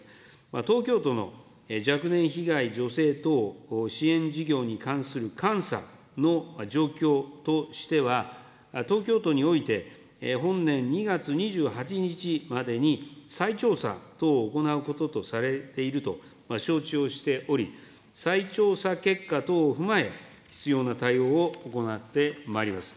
東京都の若年被害女性等支援事業に関する監査の状況としては、東京都において、本年２月２８日までに、再調査等を行うこととされていると承知をしており、再調査結果等を踏まえ、必要な対応を行ってまいります。